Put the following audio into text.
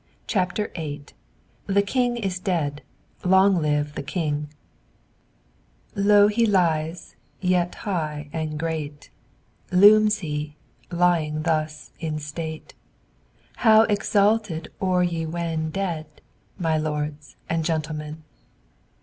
CHAPTER VIII "THE KING IS DEAD; LONG LIVE THE KING" Low he lies, yet high and great Looms he, lying thus in state. How exalted o'er ye when Dead, my lords and gentlemen!